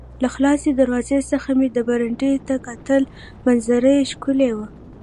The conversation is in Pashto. له خلاصو دروازو څخه مې وه برنډې ته کتل، منظره یې ښکلې وه.